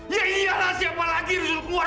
ya iya lah siapa lagi harus keluar